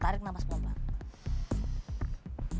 tarik nafas pelan pelan